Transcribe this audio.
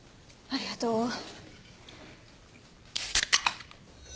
ありがとう。